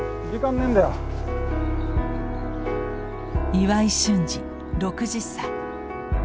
岩井俊二６０歳。